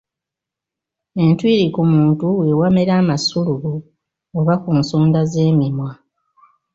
Entwiri ku muntu we wamera amasulubu oba ku nsonda z’emimwa.